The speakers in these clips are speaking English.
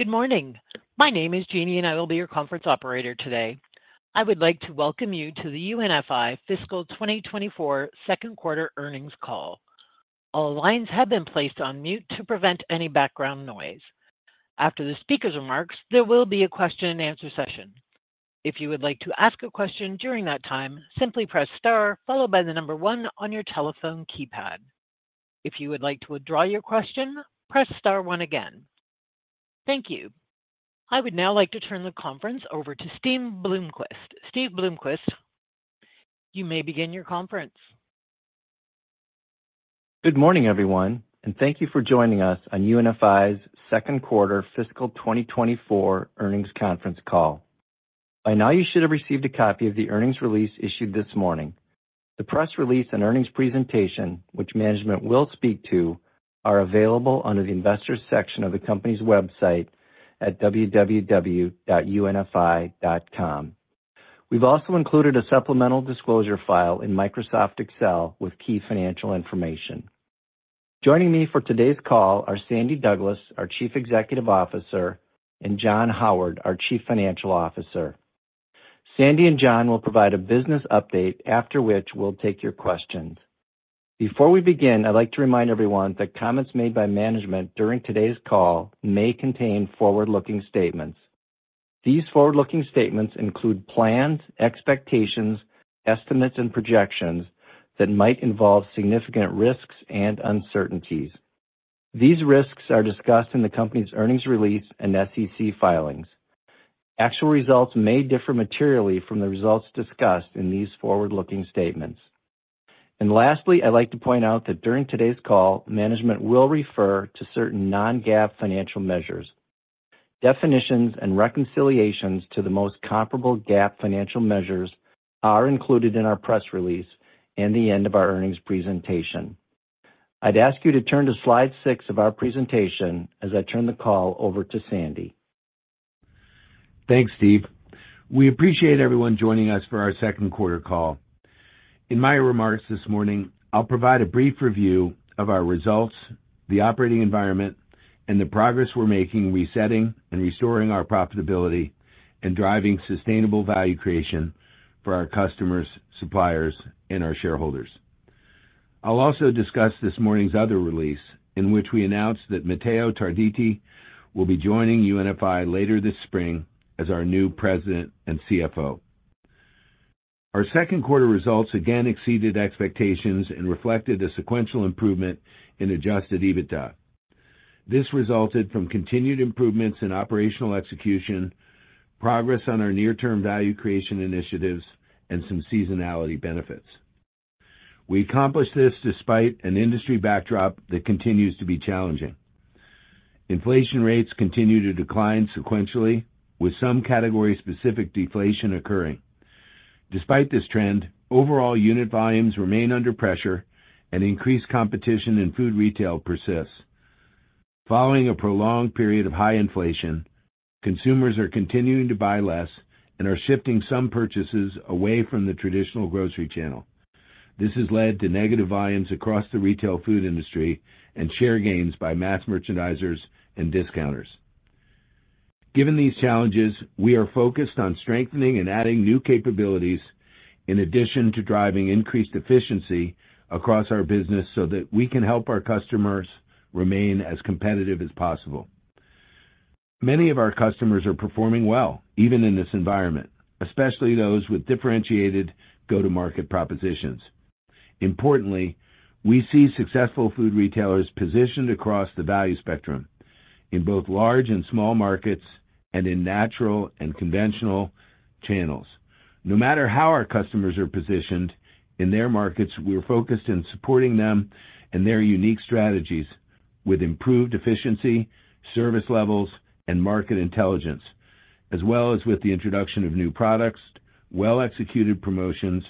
Good morning. My name is Jeannie, and I will be your conference operator today. I would like to welcome you to the UNFI Fiscal 2024 Second Quarter Earnings Call. All lines have been placed on mute to prevent any background noise. After the speaker's remarks, there will be a question-and-answer session. If you would like to ask a question during that time, simply press star followed by the number one on your telephone keypad. If you would like to withdraw your question, press star one again. Thank you. I would now like to turn the conference over to Steve Bloomquist. Steve Bloomquist, you may begin your conference. Good morning, everyone, and thank you for joining us on UNFI's Second Quarter Fiscal 2024 Earnings Conference Call. By now, you should have received a copy of the earnings release issued this morning. The press release and earnings presentation, which management will speak to, are available under the Investors section of the company's website at www.unfi.com. We've also included a supplemental disclosure file in Microsoft Excel with key financial information. Joining me for today's call are Sandy Douglas, our Chief Executive Officer, and John Howard, our Chief Financial Officer. Sandy and John will provide a business update, after which we'll take your questions. Before we begin, I'd like to remind everyone that comments made by management during today's call may contain forward-looking statements. These forward-looking statements include plans, expectations, estimates, and projections that might involve significant risks and uncertainties. These risks are discussed in the company's earnings release and SEC filings. Actual results may differ materially from the results discussed in these forward-looking statements. Lastly, I'd like to point out that during today's call, management will refer to certain non-GAAP financial measures. Definitions and reconciliations to the most comparable GAAP financial measures are included in our press release and the end of our earnings presentation. I'd ask you to turn to slide six of our presentation as I turn the call over to Sandy. Thanks, Steve. We appreciate everyone joining us for our second quarter call. In my remarks this morning, I'll provide a brief review of our results, the operating environment, and the progress we're making resetting and restoring our profitability and driving sustainable value creation for our customers, suppliers, and our shareholders. I'll also discuss this morning's other release in which we announced that Matteo Tarditi will be joining UNFI later this spring as our new president and CFO. Our second quarter results again exceeded expectations and reflected a sequential improvement in Adjusted EBITDA. This resulted from continued improvements in operational execution, progress on our near-term value creation initiatives, and some seasonality benefits. We accomplished this despite an industry backdrop that continues to be challenging. Inflation rates continue to decline sequentially, with some category-specific deflation occurring. Despite this trend, overall unit volumes remain under pressure, and increased competition in food retail persists. Following a prolonged period of high inflation, consumers are continuing to buy less and are shifting some purchases away from the traditional grocery channel. This has led to negative volumes across the retail food industry and share gains by mass merchandisers and discounters. Given these challenges, we are focused on strengthening and adding new capabilities in addition to driving increased efficiency across our business so that we can help our customers remain as competitive as possible. Many of our customers are performing well, even in this environment, especially those with differentiated go-to-market propositions. Importantly, we see successful food retailers positioned across the value spectrum in both large and small markets and in natural and conventional channels. No matter how our customers are positioned in their markets, we're focused on supporting them and their unique strategies with improved efficiency, service levels, and market intelligence, as well as with the introduction of new products, well-executed promotions,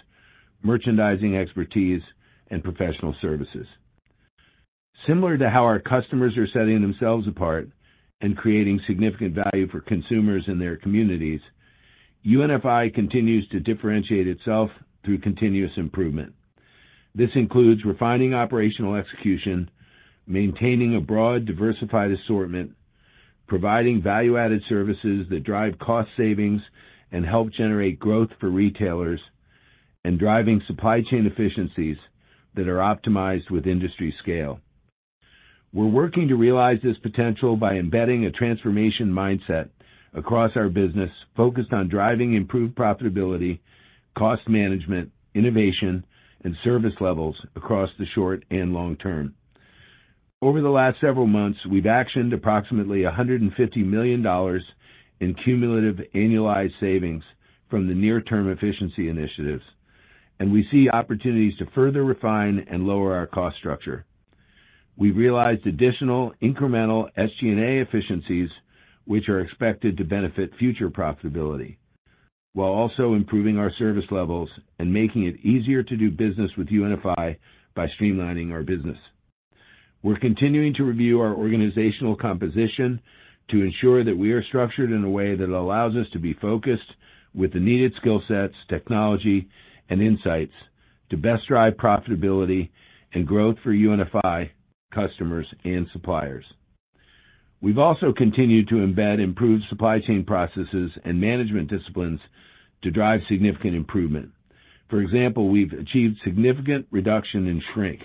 merchandising expertise, and professional services. Similar to how our customers are setting themselves apart and creating significant value for consumers and their communities, UNFI continues to differentiate itself through continuous improvement. This includes refining operational execution, maintaining a broad, diversified assortment, providing value-added services that drive cost savings and help generate growth for retailers, and driving supply chain efficiencies that are optimized with industry scale. We're working to realize this potential by embedding a transformation mindset across our business focused on driving improved profitability, cost management, innovation, and service levels across the short and long term. Over the last several months, we've actioned approximately $150 million in cumulative annualized savings from the near-term efficiency initiatives, and we see opportunities to further refine and lower our cost structure. We've realized additional incremental SG&A efficiencies, which are expected to benefit future profitability, while also improving our service levels and making it easier to do business with UNFI by streamlining our business. We're continuing to review our organizational composition to ensure that we are structured in a way that allows us to be focused with the needed skill sets, technology, and insights to best drive profitability and growth for UNFI customers and suppliers. We've also continued to embed improved supply chain processes and management disciplines to drive significant improvement. For example, we've achieved significant reduction in shrink.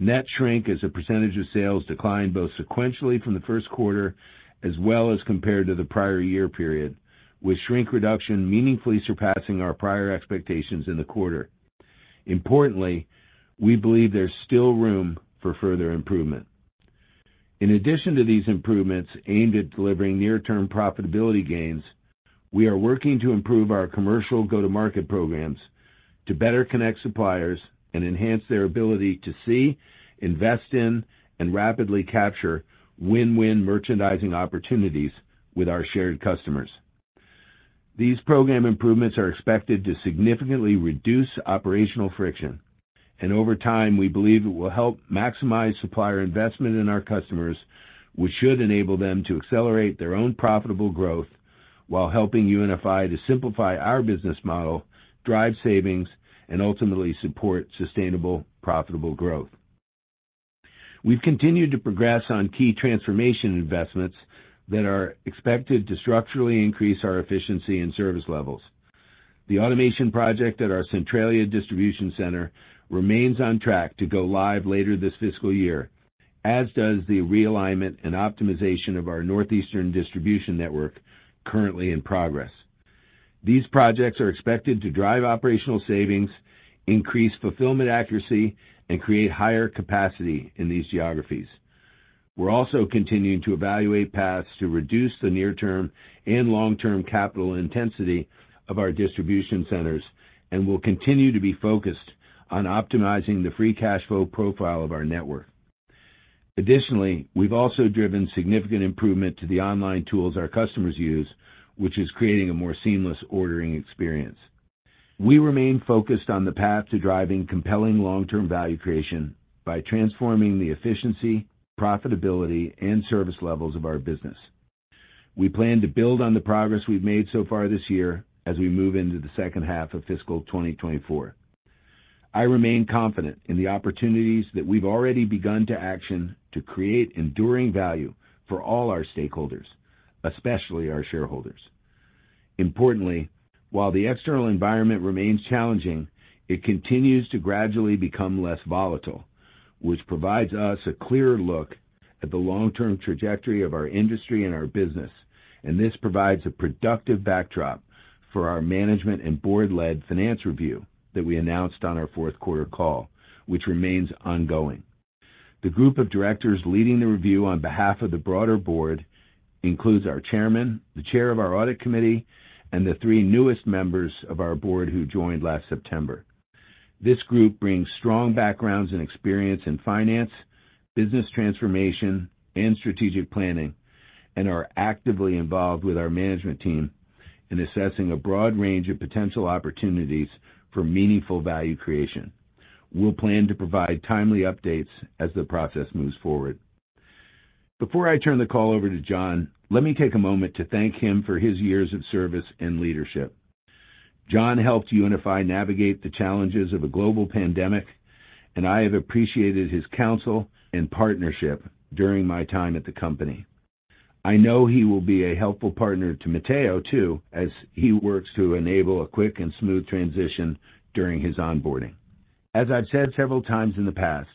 Net shrink as a percentage of sales declined both sequentially from the first quarter as well as compared to the prior year period, with shrink reduction meaningfully surpassing our prior expectations in the quarter. Importantly, we believe there's still room for further improvement. In addition to these improvements aimed at delivering near-term profitability gains, we are working to improve our commercial go-to-market programs to better connect suppliers and enhance their ability to see, invest in, and rapidly capture win-win merchandising opportunities with our shared customers. These program improvements are expected to significantly reduce operational friction, and over time, we believe it will help maximize supplier investment in our customers, which should enable them to accelerate their own profitable growth while helping UNFI to simplify our business model, drive savings, and ultimately support sustainable profitable growth. We've continued to progress on key transformation investments that are expected to structurally increase our efficiency and service levels. The automation project at our Centralia Distribution Center remains on track to go live later this fiscal year, as does the realignment and optimization of our northeastern distribution network currently in progress. These projects are expected to drive operational savings, increase fulfillment accuracy, and create higher capacity in these geographies. We're also continuing to evaluate paths to reduce the near-term and long-term capital intensity of our distribution centers and will continue to be focused on optimizing the free cash flow profile of our network. Additionally, we've also driven significant improvement to the online tools our customers use, which is creating a more seamless ordering experience. We remain focused on the path to driving compelling long-term value creation by transforming the efficiency, profitability, and service levels of our business. We plan to build on the progress we've made so far this year as we move into the second half of fiscal 2024. I remain confident in the opportunities that we've already begun to action to create enduring value for all our stakeholders, especially our shareholders. Importantly, while the external environment remains challenging, it continues to gradually become less volatile, which provides us a clearer look at the long-term trajectory of our industry and our business, and this provides a productive backdrop for our management and board-led finance review that we announced on our fourth quarter call, which remains ongoing. The group of directors leading the review on behalf of the broader board includes our chairman, the chair of our audit committee, and the three newest members of our board who joined last September. This group brings strong backgrounds and experience in finance, business transformation, and strategic planning, and are actively involved with our management team in assessing a broad range of potential opportunities for meaningful value creation. We'll plan to provide timely updates as the process moves forward. Before I turn the call over to John, let me take a moment to thank him for his years of service and leadership. John helped UNFI navigate the challenges of a global pandemic, and I have appreciated his counsel and partnership during my time at the company. I know he will be a helpful partner to Matteo, too, as he works to enable a quick and smooth transition during his onboarding. As I've said several times in the past,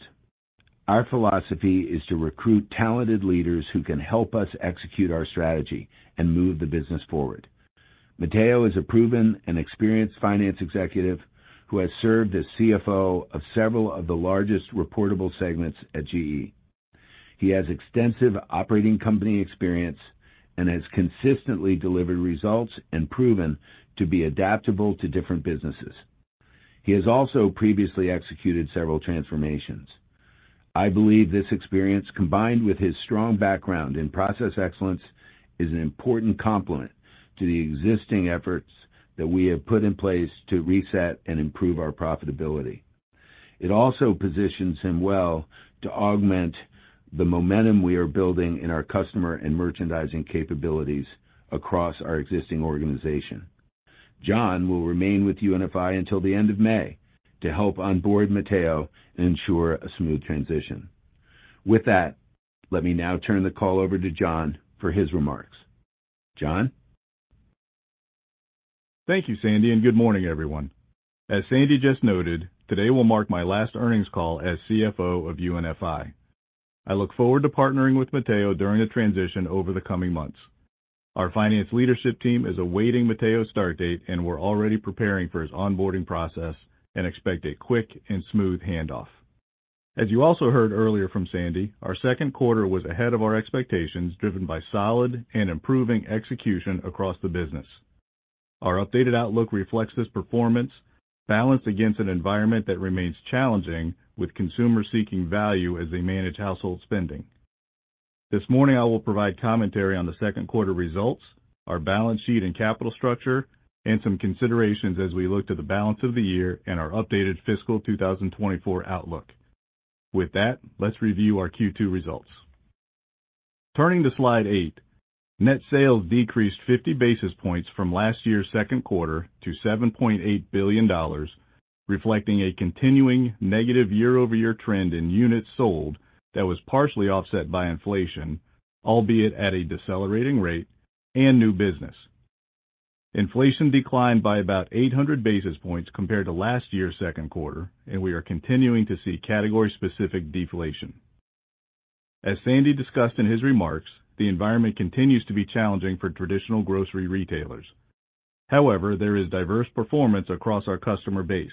our philosophy is to recruit talented leaders who can help us execute our strategy and move the business forward. Matteo is a proven and experienced finance executive who has served as CFO of several of the largest reportable segments at GE. He has extensive operating company experience and has consistently delivered results and proven to be adaptable to different businesses. He has also previously executed several transformations. I believe this experience, combined with his strong background in process excellence, is an important complement to the existing efforts that we have put in place to reset and improve our profitability. It also positions him well to augment the momentum we are building in our customer and merchandising capabilities across our existing organization. John will remain with UNFI until the end of May to help onboard Matteo and ensure a smooth transition. With that, let me now turn the call over to John for his remarks. John? Thank you, Sandy, and good morning, everyone. As Sandy just noted, today will mark my last earnings call as CFO of UNFI. I look forward to partnering with Matteo during the transition over the coming months. Our finance leadership team is awaiting Matteo's start date, and we're already preparing for his onboarding process and expect a quick and smooth handoff. As you also heard earlier from Sandy, our second quarter was ahead of our expectations, driven by solid and improving execution across the business. Our updated outlook reflects this performance balanced against an environment that remains challenging, with consumers seeking value as they manage household spending. This morning, I will provide commentary on the second quarter results, our balance sheet and capital structure, and some considerations as we look to the balance of the year and our updated fiscal 2024 outlook. With that, let's review our Q2 results. Turning to slide eight, net sales decreased 50 basis points from last year's second quarter to $7.8 billion, reflecting a continuing negative year-over-year trend in units sold that was partially offset by inflation, albeit at a decelerating rate, and new business. Inflation declined by about 800 basis points compared to last year's second quarter, and we are continuing to see category-specific deflation. As Sandy discussed in his remarks, the environment continues to be challenging for traditional grocery retailers. However, there is diverse performance across our customer base.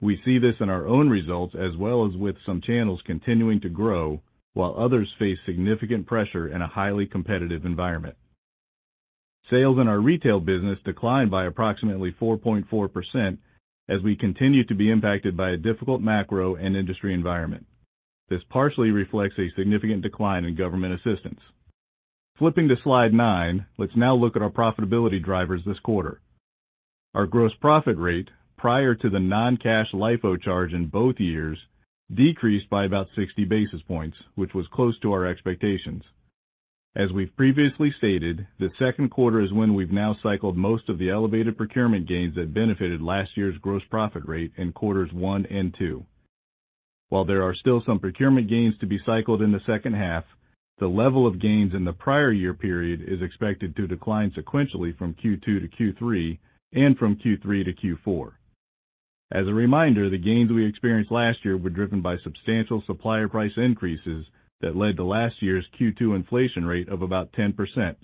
We see this in our own results as well as with some channels continuing to grow while others face significant pressure in a highly competitive environment. Sales in our retail business declined by approximately 4.4% as we continue to be impacted by a difficult macro and industry environment. This partially reflects a significant decline in government assistance. Flipping to slide nine, let's now look at our profitability drivers this quarter. Our gross profit rate, prior to the non-cash LIFO charge in both years, decreased by about 60 basis points, which was close to our expectations. As we've previously stated, the second quarter is when we've now cycled most of the elevated procurement gains that benefited last year's gross profit rate in quarters one and two. While there are still some procurement gains to be cycled in the second half, the level of gains in the prior year period is expected to decline sequentially from Q2 to Q3 and from Q3 to Q4. As a reminder, the gains we experienced last year were driven by substantial supplier price increases that led to last year's Q2 inflation rate of about 10%,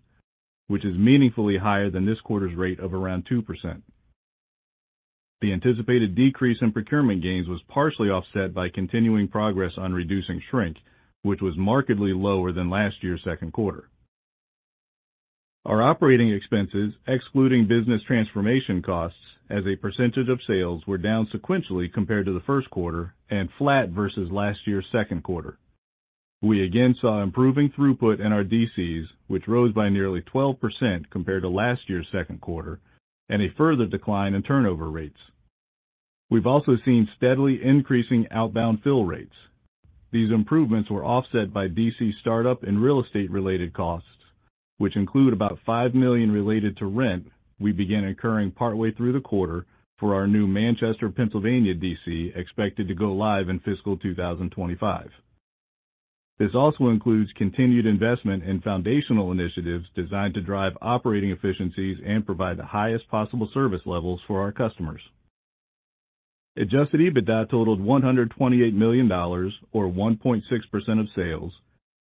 which is meaningfully higher than this quarter's rate of around 2%. The anticipated decrease in procurement gains was partially offset by continuing progress on reducing shrink, which was markedly lower than last year's second quarter. Our operating expenses, excluding business transformation costs as a percentage of sales, were down sequentially compared to the first quarter and flat vs last year's second quarter. We again saw improving throughput in our DCs, which rose by nearly 12% compared to last year's second quarter, and a further decline in turnover rates. We've also seen steadily increasing outbound fill rates. These improvements were offset by DC startup and real estate-related costs, which include about $5 million related to rent we began incurring partway through the quarter for our new Manchester, Pennsylvania DC expected to go live in fiscal 2025. This also includes continued investment in foundational initiatives designed to drive operating efficiencies and provide the highest possible service levels for our customers. Adjusted EBITDA totaled $128 million, or 1.6% of sales,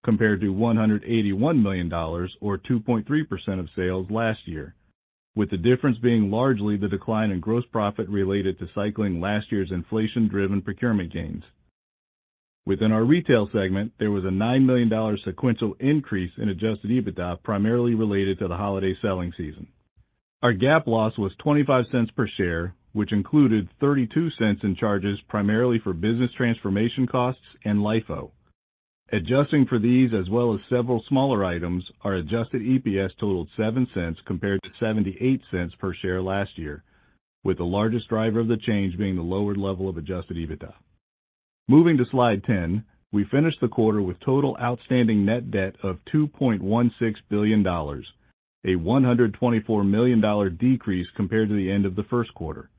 compared to $181 million, or 2.3% of sales last year, with the difference being largely the decline in gross profit related to cycling last year's inflation-driven procurement gains. Within our retail segment, there was a $9 million sequential increase in adjusted EBITDA primarily related to the holiday selling season. Our GAAP loss was $0.25 per share, which included $0.32 in charges primarily for business transformation costs and LIFO. Adjusting for these as well as several smaller items, our adjusted EPS totaled $0.07 compared to $0.78 per share last year, with the largest driver of the change being the lowered level of adjusted EBITDA. Moving to slide 10, we finished the quarter with total outstanding net debt of $2.16 billion, a $124 million decrease compared to the end of the first quarter.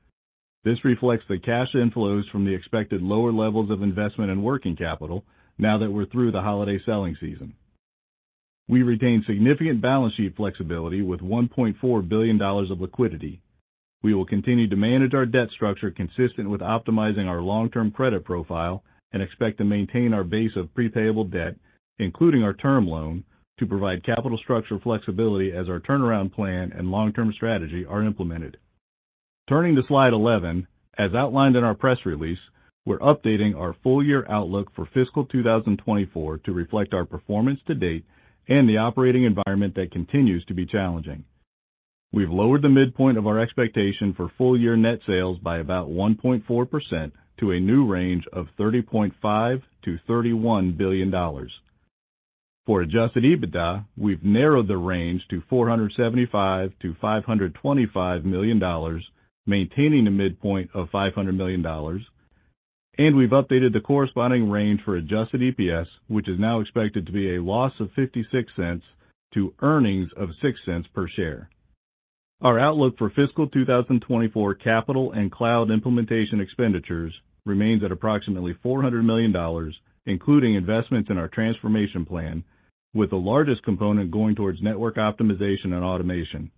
This reflects the cash inflows from the expected lower levels of investment and working capital now that we're through the holiday selling season. We retained significant balance sheet flexibility with $1.4 billion of liquidity. We will continue to manage our debt structure consistent with optimizing our long-term credit profile and expect to maintain our base of prepayable debt, including our term loan, to provide capital structure flexibility as our turnaround plan and long-term strategy are implemented. Turning to slide 11, as outlined in our press release, we're updating our full-year outlook for fiscal 2024 to reflect our performance to date and the operating environment that continues to be challenging. We've lowered the midpoint of our expectation for full-year net sales by about 1.4% to a new range of $30.5-$31 billion. For adjusted EBITDA, we've narrowed the range to $475-$525 million, maintaining a midpoint of $500 million, and we've updated the corresponding range for adjusted EPS, which is now expected to be a loss of $0.56 to earnings of $0.06 per share. Our outlook for fiscal 2024 capital and cloud implementation expenditures remains at approximately $400 million, including investments in our transformation plan, with the largest component going towards network optimization and automation.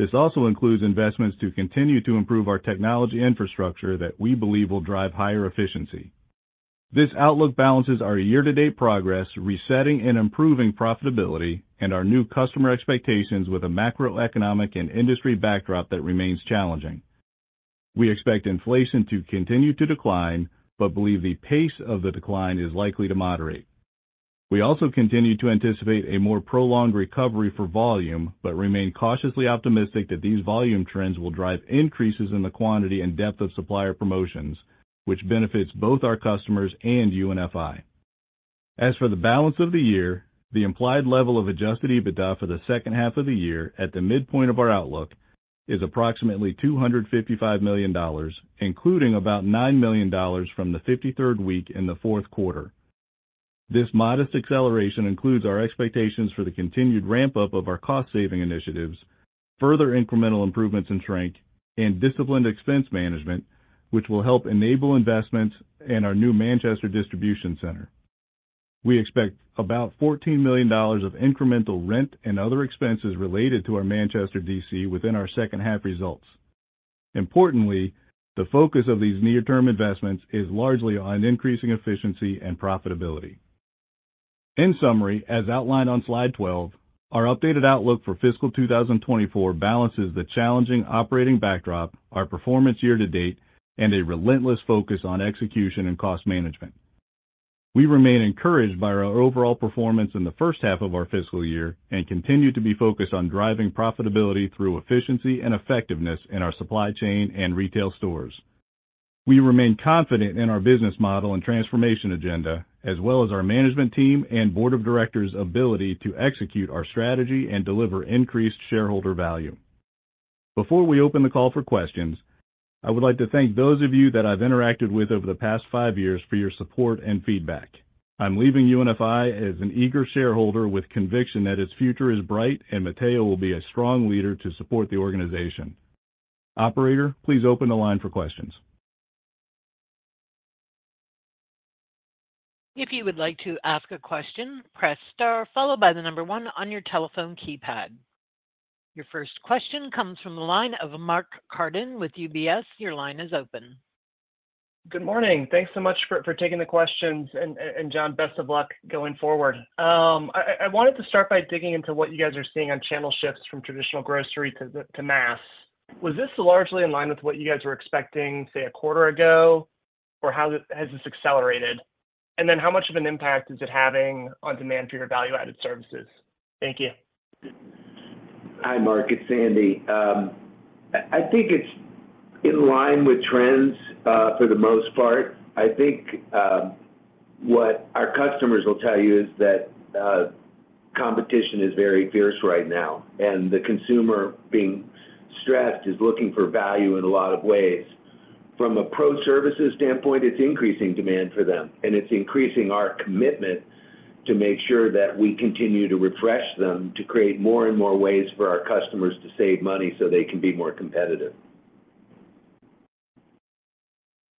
This also includes investments to continue to improve our technology infrastructure that we believe will drive higher efficiency. This outlook balances our year-to-date progress resetting and improving profitability and our new customer expectations with a macroeconomic and industry backdrop that remains challenging. We expect inflation to continue to decline but believe the pace of the decline is likely to moderate. We also continue to anticipate a more prolonged recovery for volume but remain cautiously optimistic that these volume trends will drive increases in the quantity and depth of supplier promotions, which benefits both our customers and UNFI. As for the balance of the year, the implied level of Adjusted EBITDA for the second half of the year at the midpoint of our outlook is approximately $255 million, including about $9 million from the 53rd week in the fourth quarter. This modest acceleration includes our expectations for the continued ramp-up of our cost-saving initiatives, further incremental improvements in shrink, and disciplined expense management, which will help enable investments in our new Manchester Distribution Center. We expect about $14 million of incremental rent and other expenses related to our Manchester DC within our second half results. Importantly, the focus of these near-term investments is largely on increasing efficiency and profitability. In summary, as outlined on slide 12, our updated outlook for fiscal 2024 balances the challenging operating backdrop, our performance year-to-date, and a relentless focus on execution and cost management. We remain encouraged by our overall performance in the first half of our fiscal year and continue to be focused on driving profitability through efficiency and effectiveness in our supply chain and retail stores. We remain confident in our business model and transformation agenda, as well as our management team and board of directors' ability to execute our strategy and deliver increased shareholder value. Before we open the call for questions, I would like to thank those of you that I've interacted with over the past five years for your support and feedback. I'm leaving UNFI as an eager shareholder with conviction that its future is bright and Matteo will be a strong leader to support the organization. Operator, please open the line for questions. If you would like to ask a question, press star followed by the number one on your telephone keypad. Your first question comes from the line of Mark Carden with UBS. Your line is open. Good morning. Thanks so much for taking the questions. And John, best of luck going forward. I wanted to start by digging into what you guys are seeing on channel shifts from traditional grocery to mass. Was this largely in line with what you guys were expecting, say, a quarter ago, or has this accelerated? And then how much of an impact is it having on demand for your value-added services? Thank you. Hi, Mark. It's Sandy. I think it's in line with trends for the most part. I think what our customers will tell you is that competition is very fierce right now, and the consumer being stressed is looking for value in a lot of ways. From a pro-services standpoint, it's increasing demand for them, and it's increasing our commitment to make sure that we continue to refresh them to create more and more ways for our customers to save money so they can be more competitive.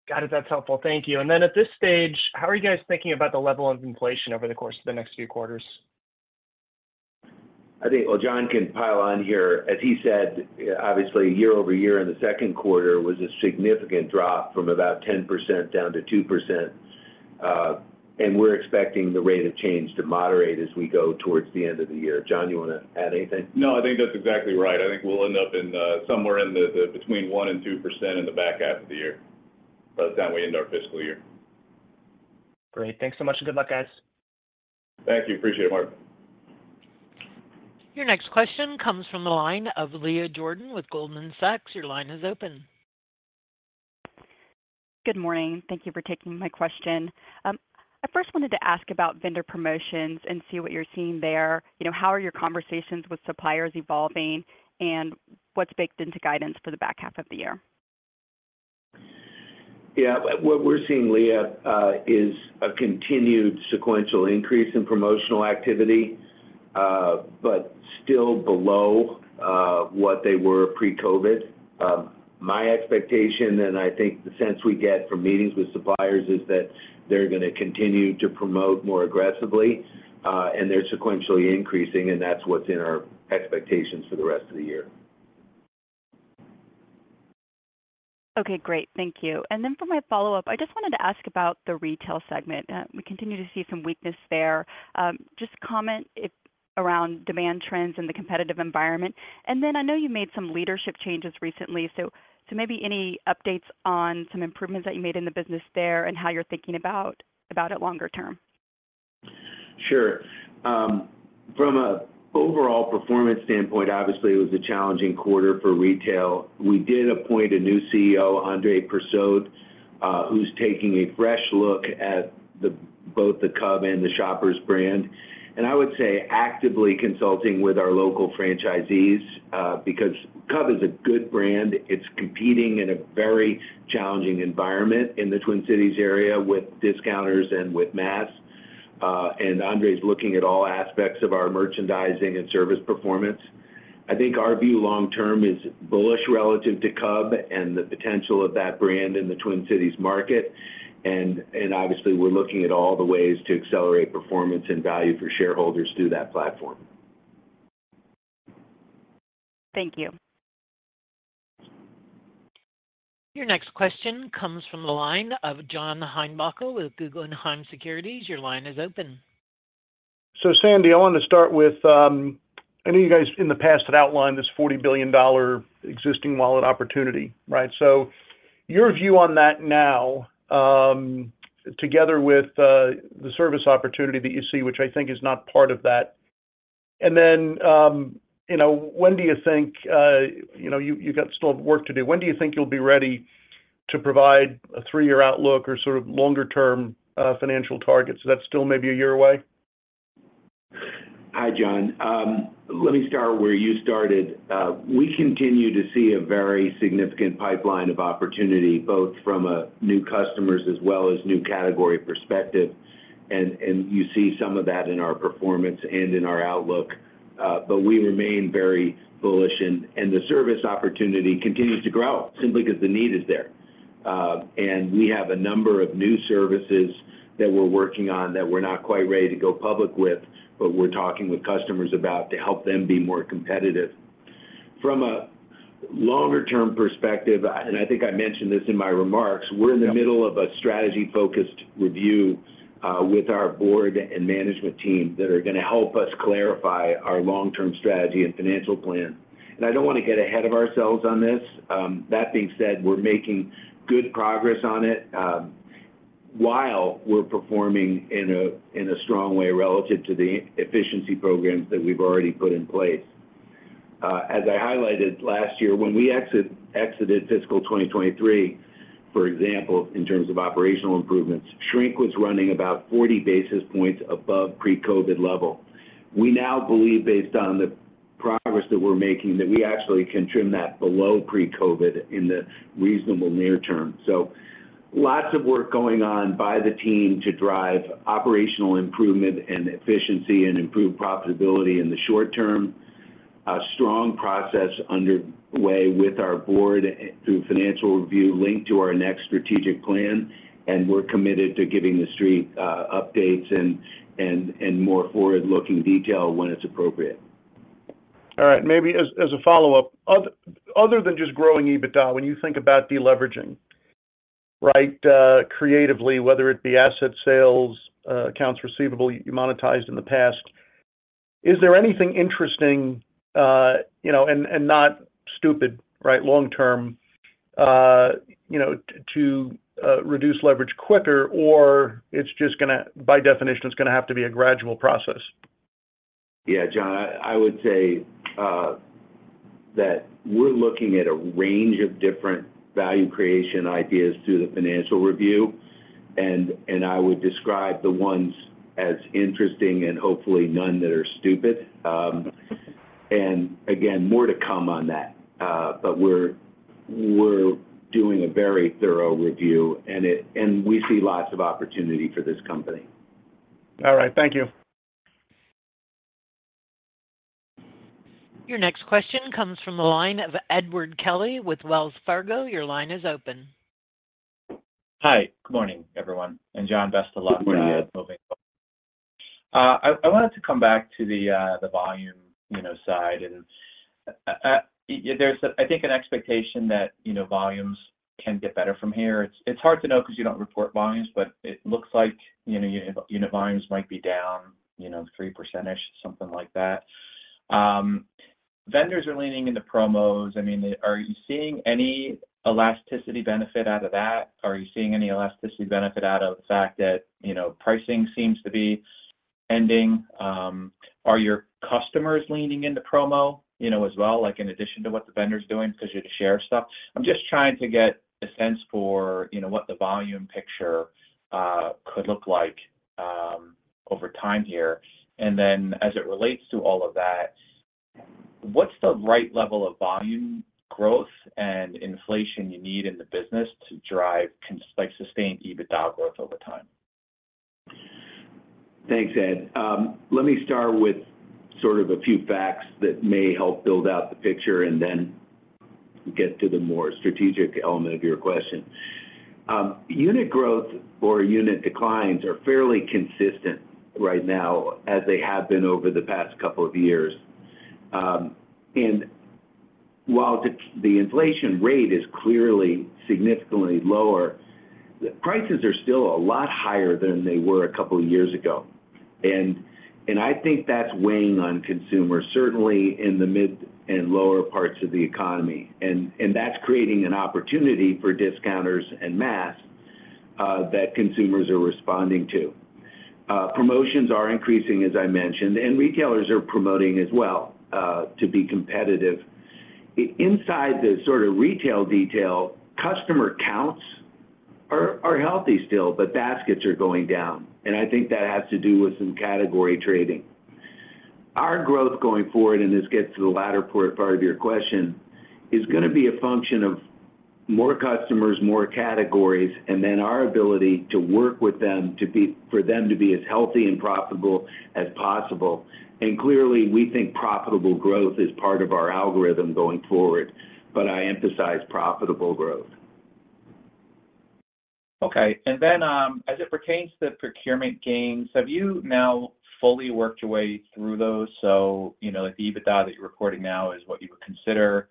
Got it. That's helpful. Thank you. And then at this stage, how are you guys thinking about the level of inflation over the course of the next few quarters? Well, John can pile on here. As he said, obviously, year-over-year in the second quarter was a significant drop from about 10% down to 2%, and we're expecting the rate of change to moderate as we go towards the end of the year. John, you want to add anything? No, I think that's exactly right. I think we'll end up somewhere between 1%-2% in the back half of the year by the time we end our fiscal year. Great. Thanks so much. Good luck, guys. Thank you. Appreciate it, Mark. Your next question comes from the line of Leah Jordan with Goldman Sachs. Your line is open. Good morning. Thank you for taking my question. I first wanted to ask about vendor promotions and see what you're seeing there. How are your conversations with suppliers evolving, and what's baked into guidance for the back half of the year? Yeah. What we're seeing, Leah, is a continued sequential increase in promotional activity but still below what they were pre-COVID. My expectation, and I think the sense we get from meetings with suppliers, is that they're going to continue to promote more aggressively, and they're sequentially increasing, and that's what's in our expectations for the rest of the year. Okay. Great. Thank you. And then for my follow-up, I just wanted to ask about the retail segment. We continue to see some weakness there. Just comment around demand trends and the competitive environment. And then I know you made some leadership changes recently, so maybe any updates on some improvements that you made in the business there and how you're thinking about it longer term. Sure. From an overall performance standpoint, obviously, it was a challenging quarter for retail. We did appoint a new CEO, Andre Persaud, who's taking a fresh look at both the Cub and the Shoppers brand, and I would say actively consulting with our local franchisees because Cub is a good brand. It's competing in a very challenging environment in the Twin Cities area with discounters and with mass, and Andre's looking at all aspects of our merchandising and service performance. I think our view long term is bullish relative to Cub and the potential of that brand in the Twin Cities market, and obviously, we're looking at all the ways to accelerate performance and value for shareholders through that platform. Thank you. Your next question comes from the line of John Heinbockel with Guggenheim Securities. Your line is open. So, Sandy, I wanted to start with, I know you guys in the past had outlined this $40 billion existing wallet opportunity, right? Your view on that now, together with the service opportunity that you see, which I think is not part of that. Then, when do you think you've got still work to do? When do you think you'll be ready to provide a three-year outlook or sort of longer-term financial targets? Is that still maybe a year away? Hi, John. Let me start where you started. We continue to see a very significant pipeline of opportunity both from new customers as well as new category perspective, and you see some of that in our performance and in our outlook. But we remain very bullish, and the service opportunity continues to grow simply because the need is there. And we have a number of new services that we're working on that we're not quite ready to go public with, but we're talking with customers about to help them be more competitive. From a longer-term perspective, and I think I mentioned this in my remarks, we're in the middle of a strategy-focused review with our board and management team that are going to help us clarify our long-term strategy and financial plan. And I don't want to get ahead of ourselves on this. That being said, we're making good progress on it while we're performing in a strong way relative to the efficiency programs that we've already put in place. As I highlighted last year, when we exited fiscal 2023, for example, in terms of operational improvements, shrink was running about 40 basis points above pre-COVID level. We now believe, based on the progress that we're making, that we actually can trim that below pre-COVID in the reasonable near term. So lots of work going on by the team to drive operational improvement and efficiency and improve profitability in the short term. A strong process underway with our board through financial review linked to our next strategic plan, and we're committed to giving the street updates and more forward-looking detail when it's appropriate. All right. Maybe as a follow-up, other than just growing EBITDA, when you think about deleveraging, right, creatively, whether it be asset sales, accounts receivable you monetized in the past, is there anything interesting and not stupid, right, long-term to reduce leverage quicker, or by definition, it's going to have to be a gradual process? Yeah, John. I would say that we're looking at a range of different value creation ideas through the financial review, and I would describe the ones as interesting and hopefully none that are stupid. And again, more to come on that, but we're doing a very thorough review, and we see lots of opportunity for this company. All right. Thank you. Your next question comes from the line of Edward Kelly with Wells Fargo. Your line is open. Hi. Good morning, everyone. John, best of luck moving forward. Good morning, Ed. I wanted to come back to the volume side. There's, I think, an expectation that volumes can get better from here. It's hard to know because you don't report volumes, but it looks like unit volumes might be down 3%-ish, something like that. Vendors are leaning into promos. I mean, are you seeing any elasticity benefit out of that? Are you seeing any elasticity benefit out of the fact that pricing seems to be ending? Are your customers leaning into promo as well in addition to what the vendor's doing because you're to share stuff? I'm just trying to get a sense for what the volume picture could look like over time here. Then as it relates to all of that, what's the right level of volume growth and inflation you need in the business to sustain EBITDA growth over time? Thanks, Ed. Let me start with sort of a few facts that may help build out the picture and then get to the more strategic element of your question. Unit growth or unit declines are fairly consistent right now as they have been over the past couple of years. While the inflation rate is clearly significantly lower, prices are still a lot higher than they were a couple of years ago. I think that's weighing on consumers, certainly in the mid and lower parts of the economy. That's creating an opportunity for discounters and mass that consumers are responding to. Promotions are increasing, as I mentioned, and retailers are promoting as well to be competitive. Inside the sort of retail detail, customer counts are healthy still, but baskets are going down. I think that has to do with some category trading. Our growth going forward, and this gets to the latter part of your question, is going to be a function of more customers, more categories, and then our ability to work with them for them to be as healthy and profitable as possible. And clearly, we think profitable growth is part of our algorithm going forward, but I emphasize profitable growth. Okay. And then as it pertains to procurement gains, have you now fully worked your way through those? So the EBITDA that you're recording now is what you would consider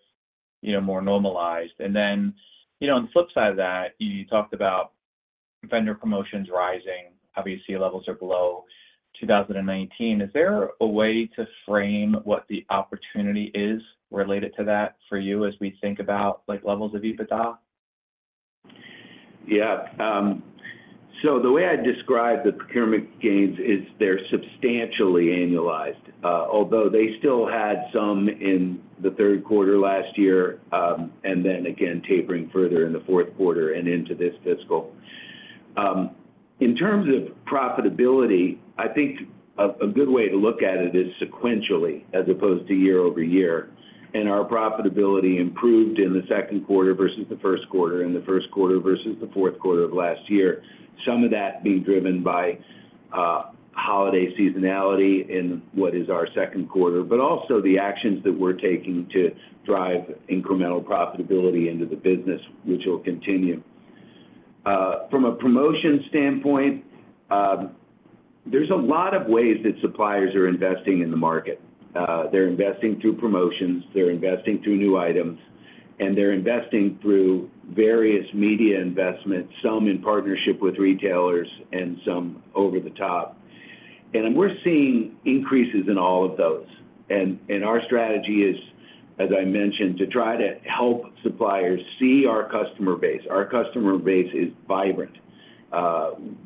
more normalized. And then on the flip side of that, you talked about vendor promotions rising. Obviously, levels are below 2019. Is there a way to frame what the opportunity is related to that for you as we think about levels of EBITDA? Yeah. So the way I'd describe the procurement gains is they're substantially annualized, although they still had some in the third quarter last year and then again tapering further in the fourth quarter and into this fiscal. In terms of profitability, I think a good way to look at it is sequentially as opposed to year-over-year. And our profitability improved in the second quarter vs the first quarter and the first quarter vs the fourth quarter of last year, some of that being driven by holiday seasonality in what is our second quarter, but also the actions that we're taking to drive incremental profitability into the business, which will continue. From a promotion standpoint, there's a lot of ways that suppliers are investing in the market. They're investing through promotions. They're investing through new items, and they're investing through various media investments, some in partnership with retailers and some over the top. We're seeing increases in all of those. Our strategy is, as I mentioned, to try to help suppliers see our customer base. Our customer base is vibrant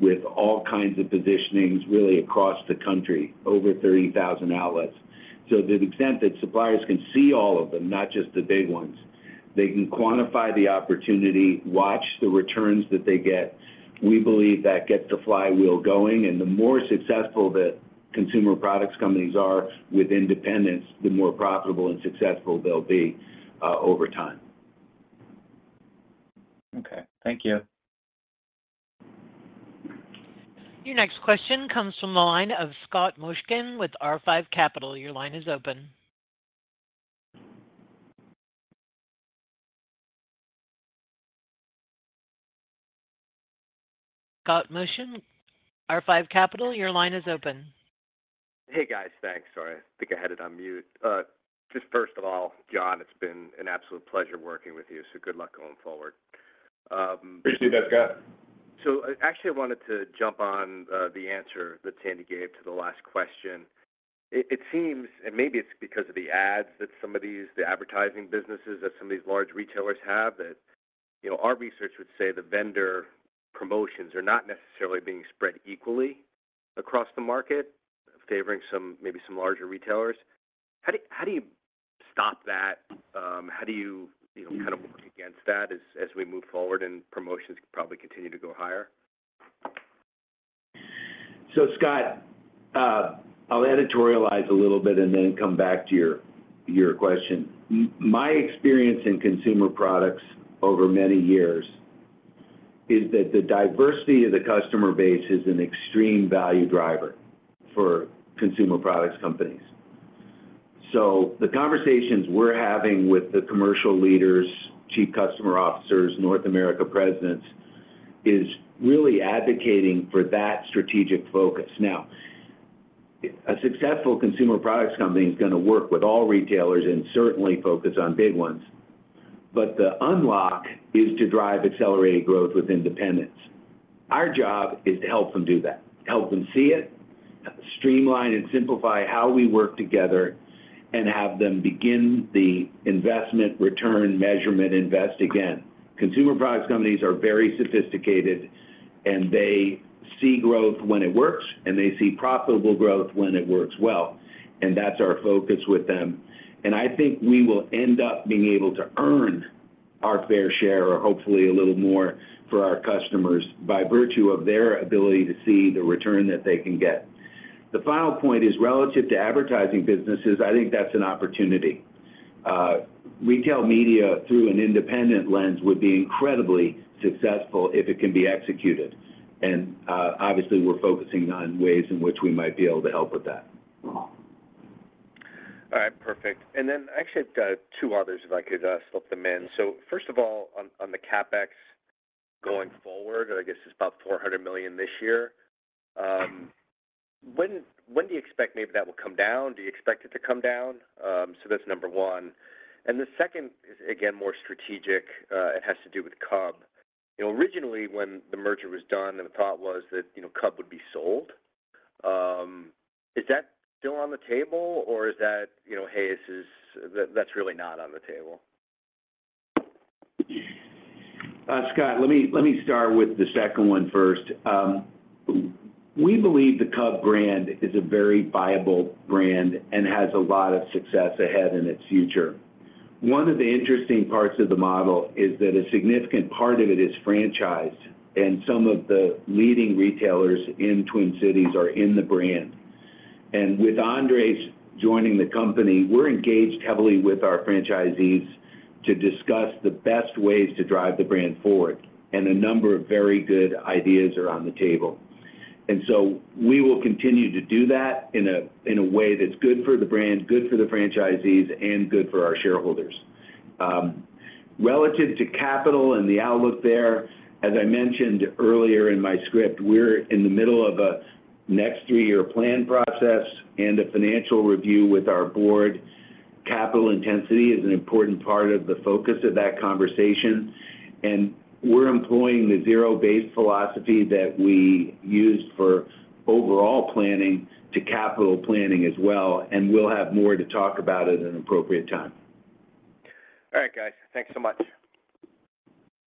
with all kinds of positionings really across the country, over 30,000 outlets. So to the extent that suppliers can see all of them, not just the big ones, they can quantify the opportunity, watch the returns that they get. We believe that gets the flywheel going. The more successful that consumer products companies are with independence, the more profitable and successful they'll be over time. Okay. Thank you. Your next question comes from the line of Scott Mushkin with R5 Capital. Your line is open. Scott Mushkin, R5 Capital. Your line is open. Hey, guys. Thanks. Sorry. I think I had it on mute. Just first of all, John, it's been an absolute pleasure working with you, so good luck going forward. Appreciate that, Scott. Actually, I wanted to jump on the answer that Sandy gave to the last question. Maybe it's because of the ads that some of these, the advertising businesses that some of these large retailers have, that our research would say the vendor promotions are not necessarily being spread equally across the market, favoring maybe some larger retailers. How do you stop that? How do you kind of work against that as we move forward and promotions probably continue to go higher? Scott, I'll editorialize a little bit and then come back to your question. My experience in consumer products over many years is that the diversity of the customer base is an extreme value driver for consumer products companies. The conversations we're having with the commercial leaders, chief customer officers, North America presidents is really advocating for that strategic focus. A successful consumer products company is going to work with all retailers and certainly focus on big ones, but the unlock is to drive accelerated growth with independence. Our job is to help them do that, help them see it, streamline and simplify how we work together, and have them begin the investment, return, measurement, invest again. Consumer products companies are very sophisticated, and they see growth when it works, and they see profitable growth when it works well. That's our focus with them. I think we will end up being able to earn our fair share or hopefully a little more for our customers by virtue of their ability to see the return that they can get. The final point is relative to advertising businesses. I think that's an opportunity. Retail media through an independent lens would be incredibly successful if it can be executed. And obviously, we're focusing on ways in which we might be able to help with that. All right. Perfect. And then actually, I've got two others if I could slip them in. So first of all, on the CapEx going forward, I guess it's about $400 million this year. When do you expect maybe that will come down? Do you expect it to come down? So that's number one. And the second is, again, more strategic. It has to do with Cub. Originally, when the merger was done, the thought was that Cub would be sold. Is that still on the table, or is that, "Hey, that's really not on the table"? Scott, let me start with the second one first. We believe the Cub brand is a very viable brand and has a lot of success ahead in its future. One of the interesting parts of the model is that a significant part of it is franchised, and some of the leading retailers in Twin Cities are in the brand. And with Andre's joining the company, we're engaged heavily with our franchisees to discuss the best ways to drive the brand forward. And a number of very good ideas are on the table. And so we will continue to do that in a way that's good for the brand, good for the franchisees, and good for our shareholders. Relative to capital and the outlook there, as I mentioned earlier in my script, we're in the middle of a next-three-year plan process and a financial review with our board. Capital intensity is an important part of the focus of that conversation. We're employing the zero-based philosophy that we used for overall planning to capital planning as well. We'll have more to talk about at an appropriate time. All right, guys. Thanks so much.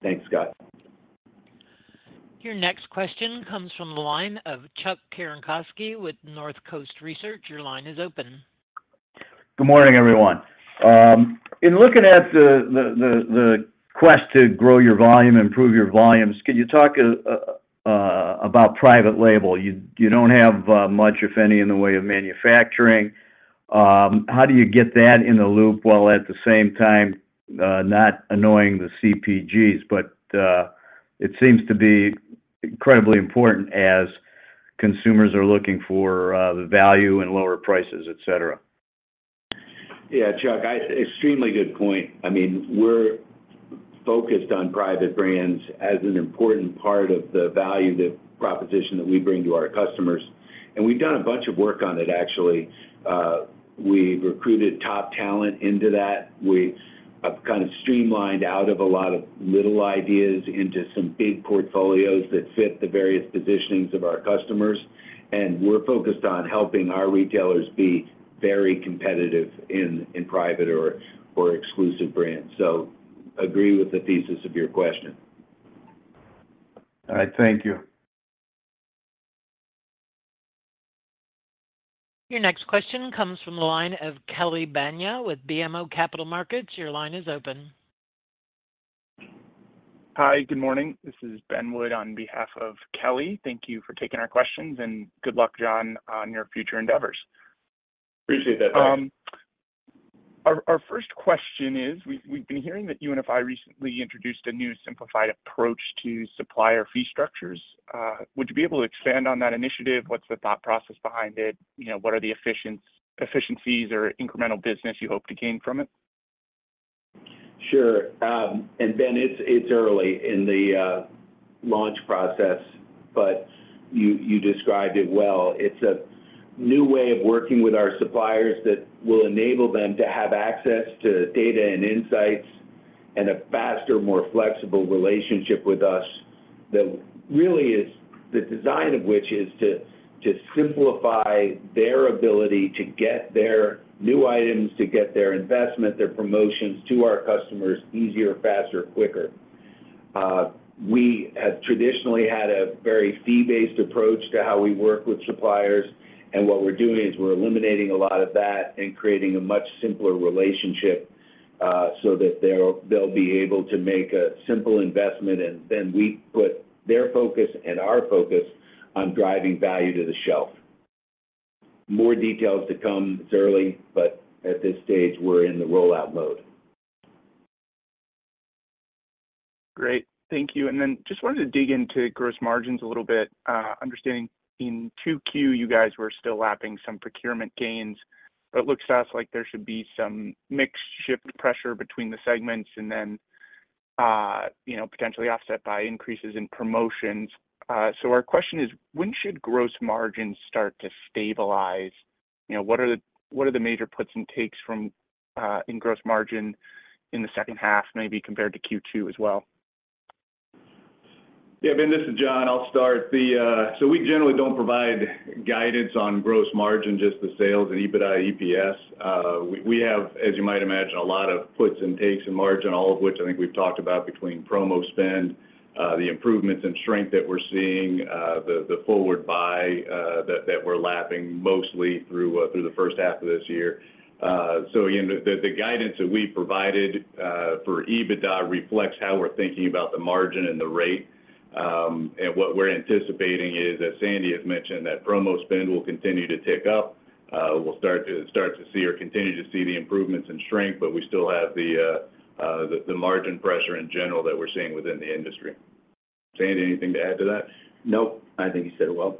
Thanks, Scott. Your next question comes from the line of Chuck Cerankosky with Northcoast Research. Your line is open. Good morning, everyone. In looking at the quest to grow your volume, improve your volumes, can you talk about private label? You don't have much, if any, in the way of manufacturing. How do you get that in the loop while at the same time not annoying the CPGs? But it seems to be incredibly important as consumers are looking for the value and lower prices, etc. Yeah, Chuck, extremely good point. I mean, we're focused on private brands as an important part of the value proposition that we bring to our customers. We've done a bunch of work on it, actually. We've recruited top talent into that. We've kind of streamlined out of a lot of little ideas into some big portfolios that fit the various positionings of our customers. We're focused on helping our retailers be very competitive in private or exclusive brands. Agree with the thesis of your question. All right. Thank you. Your next question comes from the line of Kelly Bania with BMO Capital Markets. Your line is open. Hi. Good morning. This is Ben Wood on behalf of Kelly. Thank you for taking our questions. Good luck, John, on your future endeavors. Appreciate that, guys. Our first question is, we've been hearing that UNFI recently introduced a new simplified approach to supplier fee structures. Would you be able to expand on that initiative? What's the thought process behind it? What are the efficiencies or incremental business you hope to gain from it? Sure. And Ben, it's early in the launch process, but you described it well. It's a new way of working with our suppliers that will enable them to have access to data and insights and a faster, more flexible relationship with us, the design of which is to simplify their ability to get their new items, to get their investment, their promotions to our customers easier, faster, quicker. We have traditionally had a very fee-based approach to how we work with suppliers. And what we're doing is we're eliminating a lot of that and creating a much simpler relationship so that they'll be able to make a simple investment, and then we put their focus and our focus on driving value to the shelf. More details to come. It's early, but at this stage, we're in the rollout mode. Great. Thank you. And then just wanted to dig into gross margins a little bit. Understanding in 2Q, you guys were still lapping some procurement gains, but it looks to us like there should be some mixed shift pressure between the segments and then potentially offset by increases in promotions. So our question is, when should gross margins start to stabilize? What are the major puts and takes in gross margin in the second half, maybe compared to Q2 as well? Yeah, Ben, this is John. I'll start. So we generally don't provide guidance on gross margin, just the sales and EBITDA, EPS. We have, as you might imagine, a lot of puts and takes in margin, all of which I think we've talked about between promo spend, the improvements in shrink that we're seeing, the forward buy that we're lapping mostly through the first half of this year. So again, the guidance that we provided for EBITDA reflects how we're thinking about the margin and the rate. And what we're anticipating is, as Sandy has mentioned, that promo spend will continue to tick up. We'll start to see or continue to see the improvements in shrink, but we still have the margin pressure in general that we're seeing within the industry. Sandy, anything to add to that? Nope. I think you said it well.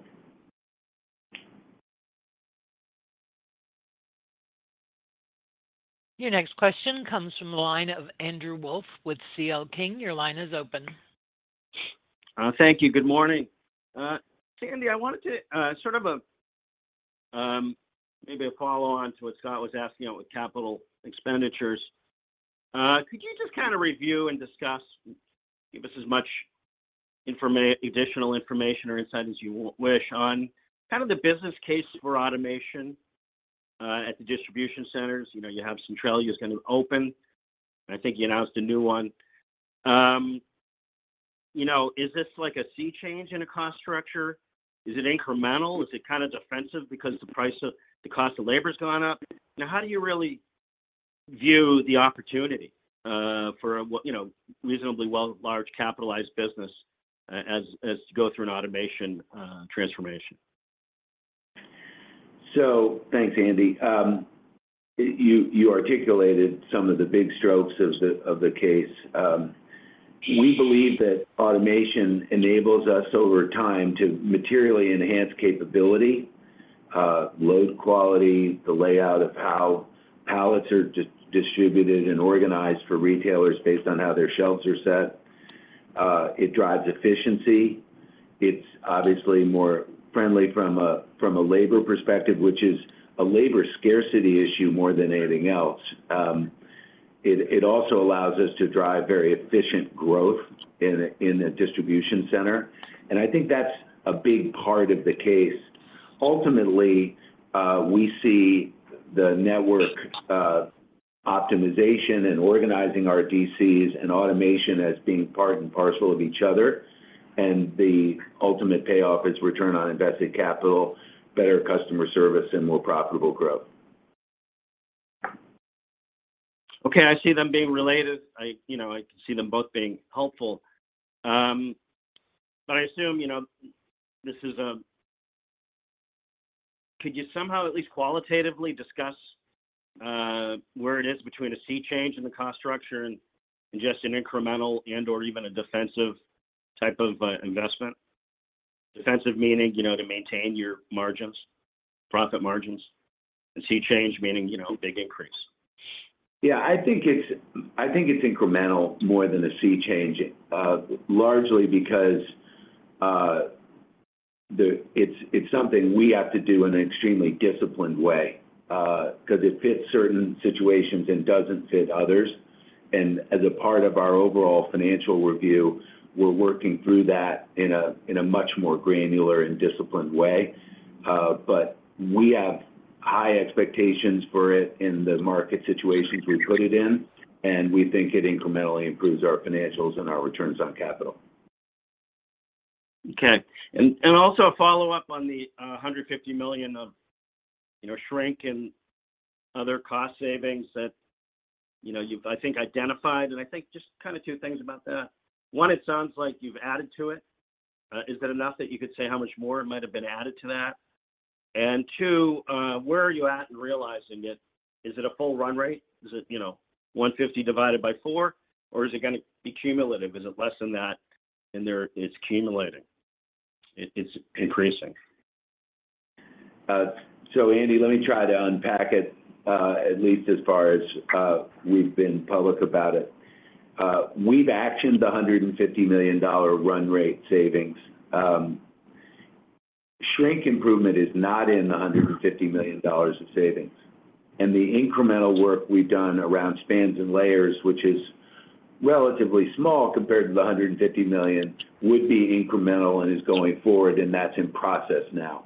Your next question comes from the line of Andrew Wolf with CL King. Your line is open. Thank you. Good morning. Sandy, I wanted to sort of maybe a follow-on to what Scott was asking out with capital expenditures. Could you just kind of review and discuss, give us as much additional information or insight as you wish, on kind of the business case for automation at the distribution centers? You have Centralia. It's going to open. I think you announced a new one. Is this a sea change in a cost structure? Is it incremental? Is it kind of defensive because the cost of labor has gone up? Now, how do you really view the opportunity for a reasonably large capitalized business as to go through an automation transformation? Thanks, Andy. You articulated some of the big strokes of the case. We believe that automation enables us over time to materially enhance capability, load quality, the layout of how pallets are distributed and organized for retailers based on how their shelves are set. It drives efficiency. It's obviously more friendly from a labor perspective, which is a labor scarcity issue more than anything else. It also allows us to drive very efficient growth in a distribution center. And I think that's a big part of the case. Ultimately, we see the network optimization and organizing our DCs and automation as being part and parcel of each other. And the ultimate payoff is return on invested capital, better customer service, and more profitable growth. Okay. I see them being related. I can see them both being helpful. But I assume this is a could you somehow at least qualitatively discuss where it is between a sea change in the cost structure and just an incremental and/or even a defensive type of investment? Defensive meaning to maintain your profit margins and sea change meaning big increase. Yeah. I think it's incremental more than a sea change, largely because it's something we have to do in an extremely disciplined way because it fits certain situations and doesn't fit others. And as a part of our overall financial review, we're working through that in a much more granular and disciplined way. But we have high expectations for it in the market situations we put it in, and we think it incrementally improves our financials and our returns on capital. Okay. And also a follow-up on the $150 million of shrink and other cost savings that you've, I think, identified. And I think just kind of two things about that. One, it sounds like you've added to it. Is it enough that you could say how much more it might have been added to that? And two, where are you at in realizing it? Is it a full run rate? Is it 150 divided by four, or is it going to be cumulative? Is it less than that? And it's accumulating. It's increasing. So Andy, let me try to unpack it at least as far as we've been public about it. We've actioned the $150 million run rate savings. Shrink improvement is not in the $150 million of savings. And the incremental work we've done around spans and layers, which is relatively small compared to the $150 million, would be incremental and is going forward, and that's in process now.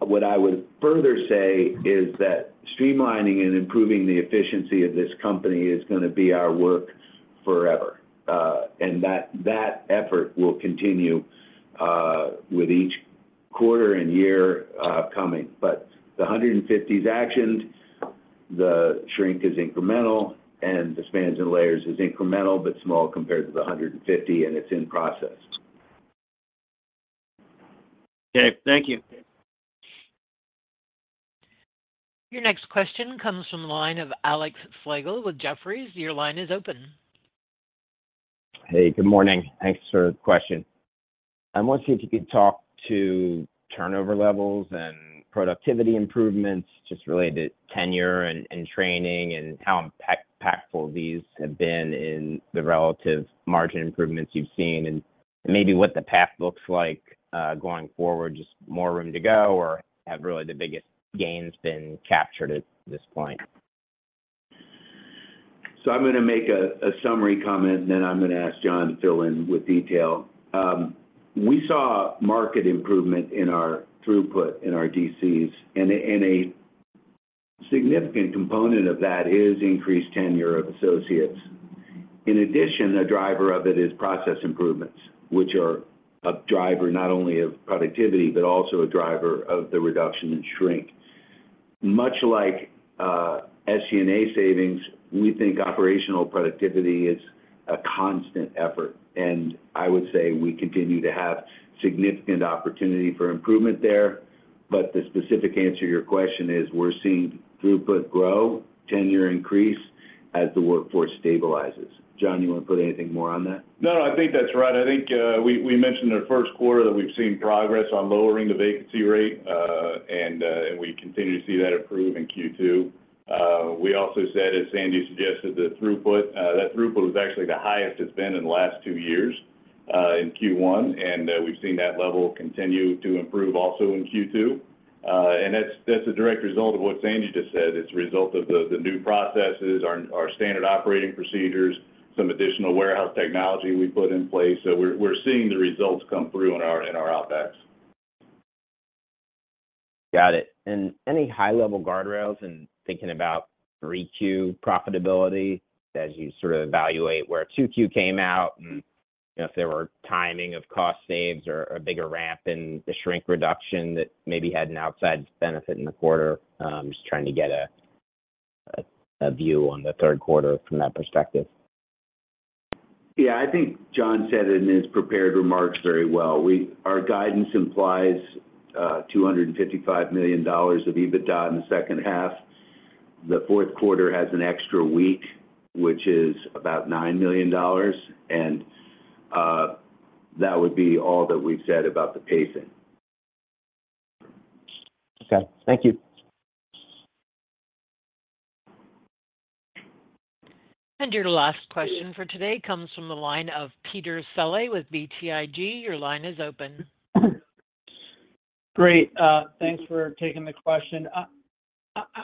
What I would further say is that streamlining and improving the efficiency of this company is going to be our work forever. And that effort will continue with each quarter and year coming. But the $150 is actioned. The shrink is incremental, and the spans and layers is incremental but small compared to the $150, and it's in process. Okay. Thank you. Your next question comes from the line of Alex Slagle with Jefferies. Your line is open. Hey. Good morning. Thanks for the question. I want to see if you could talk to turnover levels and productivity improvements just related to tenure and training and how impactful these have been in the relative margin improvements you've seen and maybe what the path looks like going forward, just more room to go or have really the biggest gains been captured at this point? So I'm going to make a summary comment, and then I'm going to ask John to fill in with detail. We saw marked improvement in our throughput in our DCs, and a significant component of that is increased tenure of associates. In addition, a driver of it is process improvements, which are a driver not only of productivity but also a driver of the reduction in shrink. Much like SG&A savings, we think operational productivity is a constant effort. And I would say we continue to have significant opportunity for improvement there. But the specific answer to your question is we're seeing throughput grow, tenure increase as the workforce stabilizes. John, you want to put anything more on that? No, no. I think that's right. I think we mentioned in our first quarter that we've seen progress on lowering the vacancy rate, and we continue to see that improve in Q2. We also said, as Sandy suggested, that throughput was actually the highest it's been in the last two years in Q1. And we've seen that level continue to improve also in Q2. And that's a direct result of what Sandy just said. It's a result of the new processes, our standard operating procedures, some additional warehouse technology we put in place. So we're seeing the results come through in our outcomes. Got it. Any high-level guardrails in thinking about 3Q profitability as you sort of evaluate where 2Q came out and if there were timing of cost saves or a bigger ramp in the shrink reduction that maybe had an outside benefit in the quarter? Just trying to get a view on the third quarter from that perspective. Yeah. I think John said it in his prepared remarks very well. Our guidance implies $255 million of EBITDA in the second half. The fourth quarter has an extra week, which is about $9 million. And that would be all that we've said about the pacing. Okay. Thank you. Your last question for today comes from the line of Peter Saleh with BTIG. Your line is open. Great. Thanks for taking the question.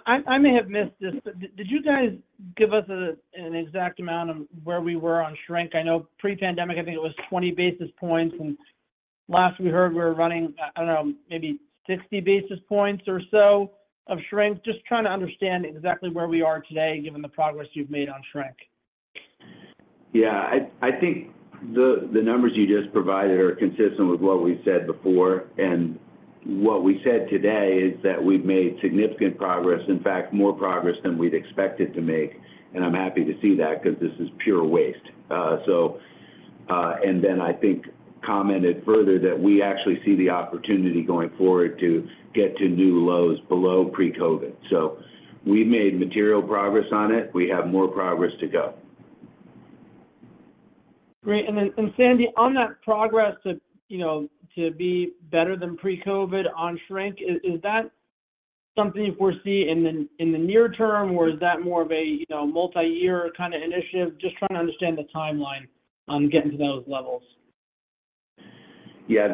I may have missed this, but did you guys give us an exact amount of where we were on shrink? I know pre-pandemic, I think it was 20 basis points. Last we heard, we were running, I don't know, maybe 60 basis points or so of shrink. Just trying to understand exactly where we are today given the progress you've made on shrink. Yeah. I think the numbers you just provided are consistent with what we said before. And what we said today is that we've made significant progress, in fact, more progress than we'd expected to make. And I'm happy to see that because this is pure waste. And then I think commented further that we actually see the opportunity going forward to get to new lows below pre-COVID. So we've made material progress on it. We have more progress to go. Great. Then, Sandy, on that progress to be better than pre-COVID on shrink, is that something you foresee in the near term, or is that more of a multi-year kind of initiative? Just trying to understand the timeline on getting to those levels. Yeah.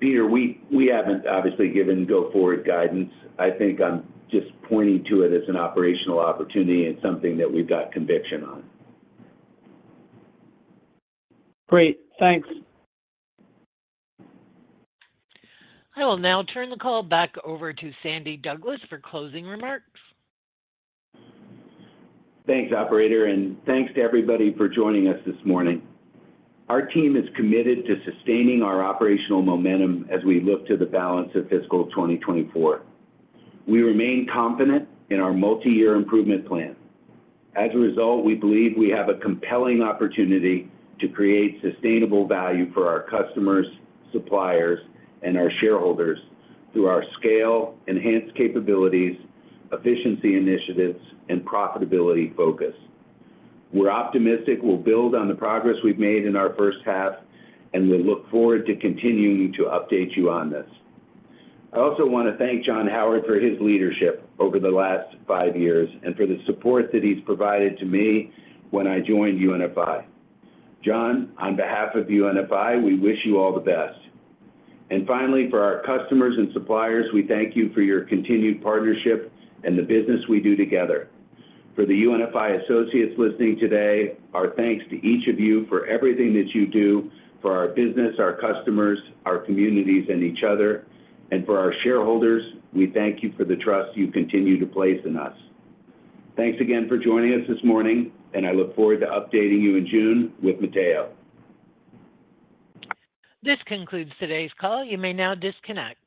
Peter, we haven't obviously given go-forward guidance. I think I'm just pointing to it as an operational opportunity and something that we've got conviction on. Great. Thanks. I will now turn the call back over to Sandy Douglas for closing remarks. Thanks, operator. And thanks to everybody for joining us this morning. Our team is committed to sustaining our operational momentum as we look to the balance of fiscal 2024. We remain confident in our multi-year improvement plan. As a result, we believe we have a compelling opportunity to create sustainable value for our customers, suppliers, and our shareholders through our scale, enhanced capabilities, efficiency initiatives, and profitability focus. We're optimistic we'll build on the progress we've made in our first half, and we look forward to continuing to update you on this. I also want to thank John Howard for his leadership over the last five years and for the support that he's provided to me when I joined UNFI. John, on behalf of UNFI, we wish you all the best. Finally, for our customers and suppliers, we thank you for your continued partnership and the business we do together. For the UNFI associates listening today, our thanks to each of you for everything that you do for our business, our customers, our communities, and each other. For our shareholders, we thank you for the trust you continue to place in us. Thanks again for joining us this morning, and I look forward to updating you in June with Matteo. This concludes today's call. You may now disconnect.